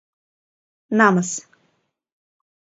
Намыс!